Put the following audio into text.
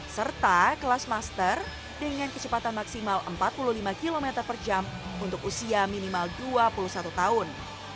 serta kelas master dengan kecepatan maksimal empat puluh lima km per jam untuk usia minimal dua puluh satu tahun